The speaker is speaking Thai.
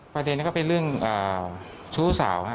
ประเด็นนี้ก็เป็นเรื่องชู้สาวฮะ